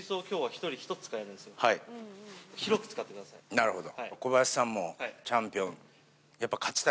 なるほど。